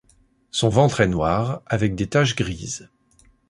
Son ventre est noir avec des taches grises.